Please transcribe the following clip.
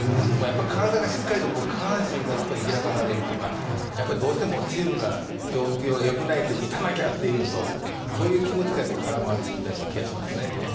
体がしっかりと下半身が開かされるとかどうしてもチームが状況がよくないので打たなきゃっていうのとそういう気持ちが空回りしていた気がしますね。